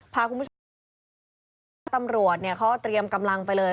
พาคุณผู้ชมตำรวจเนี้ยเขาเตรียมกำลังไปเลย